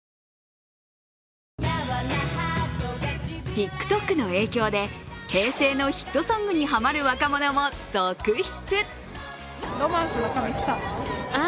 ＴｉｋＴｏｋの影響で平成のヒットソングにハマる若者も続出。